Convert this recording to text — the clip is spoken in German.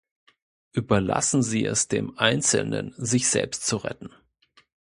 Überlassen sie es dem Einzelnen, sich selbst zu retten.